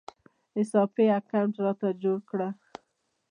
حساب پې اکاونټ راته جوړ کړه